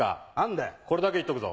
これだけは言っとくぞ。